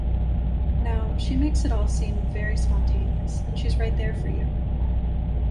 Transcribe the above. Now, she makes it all seem very spontaneous, and she's right there for you.